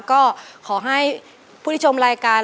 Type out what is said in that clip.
ก็ขอให้ผู้ที่ชมรายการ